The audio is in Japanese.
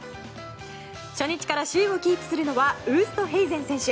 初日から首位をキープするのはウーストヘイゼン選手。